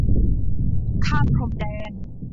ข้ามพรมแดน